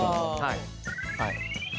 はい。